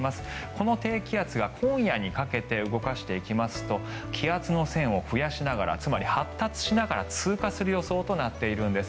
この低気圧が今夜にかけて動かしていきますと気圧の線を増やしながらつまり発達しながら通過する予想となっているんです。